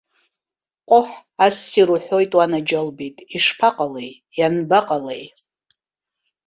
Ҟоҳ, ассир уҳәоит уанаџьалбеит, ишԥаҟалеи, ианбаҟалеи?